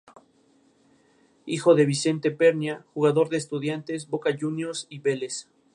Fue nombrado comandante de la frontera noroeste de la provincia.